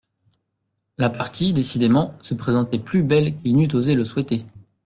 La partie, décidément, se présentait plus belle qu'il n'eût osé le souhaiter.